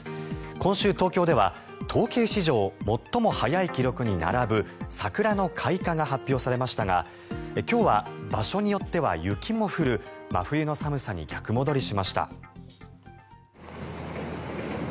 今週、東京では統計史上最も早い記録に並ぶ桜の開花が発表されましたが今日は場所によっては雪も降る真冬の寒さに逆戻りしました。